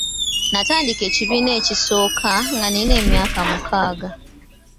Natandika ekibiina ekisooka nga nnina emyaka mukaaga.